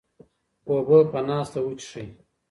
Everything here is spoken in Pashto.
اوبه په ناسته وڅښئ.